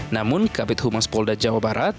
namun kabit humas polda jawa barat